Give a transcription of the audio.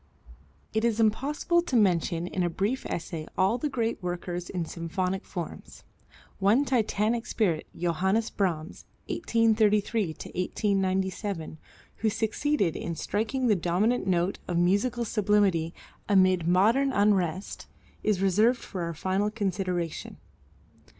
It is impossible to mention in a brief essay all the great workers in symphonic forms. One Titanic spirit, Johannes Brahms, (1833 1897) who succeeded in striking the dominant note of musical sublimity amid modern unrest, is reserved for our final consideration.